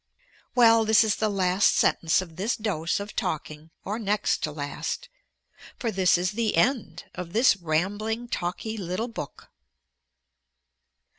Well, this is the last sentence of this dose of talking; or next to last. For this is the END of this rambling, talky, little book.